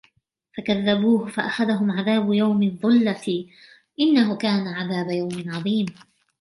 فَكَذَّبُوهُ فَأَخَذَهُمْ عَذَابُ يَوْمِ الظُّلَّةِ إِنَّهُ كَانَ عَذَابَ يَوْمٍ عَظِيمٍ